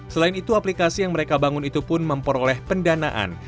selain itu aplikasi yang mereka bangun itu pun memperoleh pendanaan